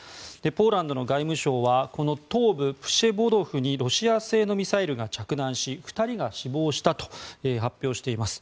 ポーランドの外務省は東部プシェボドフにロシア製のミサイルが着弾し２人が死亡したと発表しています。